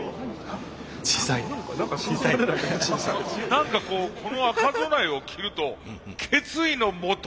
何かこうこの赤備えを着ると決意のもと